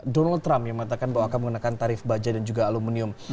donald trump yang mengatakan bahwa akan mengenakan tarif baja dan juga aluminium